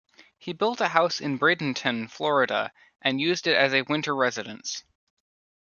He built a house in Bradenton, Florida, and used it as a winter residence.